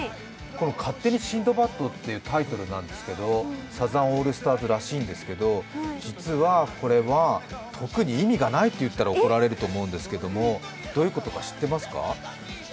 「勝手にシンドバッド」っていうタイトルなんですけどサザンオールスターズらしいんですけど、実はこれは特に意味がないと言ったら怒られると思うんですけど、どういうことか知ってますか？